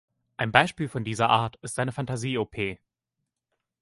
Ein Beispiel von dieser Art ist seine Fantasie op.